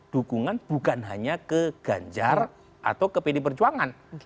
dukungan bukan hanya ke ganjar atau ke pd perjuangan